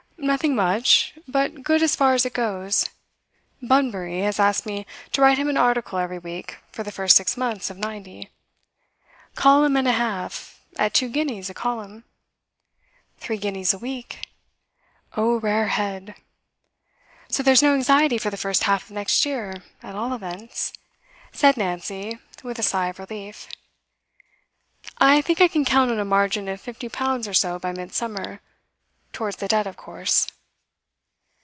'Nothing much, but good as far as it goes. Bunbury has asked me to write him an article every week for the first six months of '90. Column and a half, at two guineas a column.' 'Three guineas a week.' 'O rare head!' 'So there's no anxiety for the first half of next year, at all events,' said Nancy, with a sigh of relief. 'I think I can count on a margin of fifty pounds or so by midsummer towards the debt, of course.